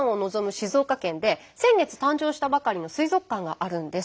静岡県で先月誕生したばかりの水族館があるんです。